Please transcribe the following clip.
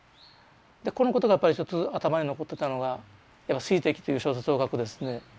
このことがやっぱり一つ頭に残ってたのが「水滴」という小説を書くですね